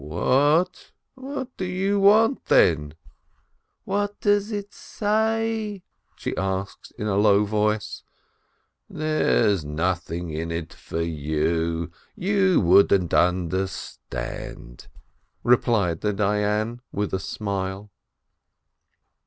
"What? What do you want then?" "What does it say?" she asked in a low voice. "There is nothing in it for you, you wouldn't under stand," replied the Dayan, with a smile.